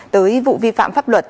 tới vụ vi phạm pháp luật